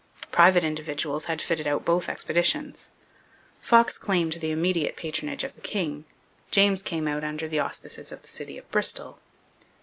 Private individuals had fitted out both expeditions. Fox claimed the immediate patronage of the king; James came out under the auspices of the city of Bristol.